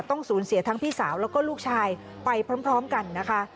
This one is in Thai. ต้องสูญเสียทั้งพี่สาวแล้วก็ลูกชายไปพร้อมกันนะคะ